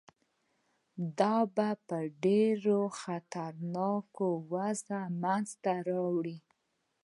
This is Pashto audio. دا به ډېره خطرناکه وضع منځته راوړي.